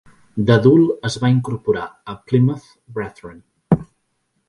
D'adult, es va incorporar a Plymouth Brethren.